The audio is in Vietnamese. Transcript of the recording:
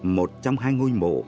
một trong hai ngôi mộ